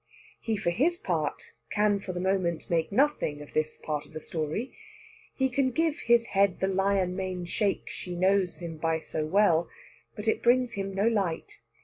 He, for his part, can for the moment make nothing of this part of the story. He can give his head the lion mane shake she knows him by so well, but it brings him no light.